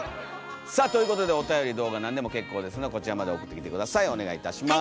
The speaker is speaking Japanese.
さあということでおたより動画何でも結構ですのでこちらまで送ってきて下さいお願いいたします。